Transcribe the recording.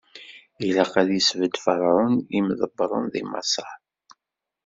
Ilaq ad isbedd Ferɛun imḍebbren di Maṣer;